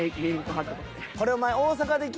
これお前